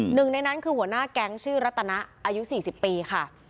หนึ่งในนั้นคือหัวหน้าแก๊งชื่อรัตนะอายุ๔๐ปีค่ะ